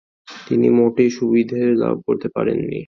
তিনি মোটেই সুবিধে লাভ করতে পারেননি।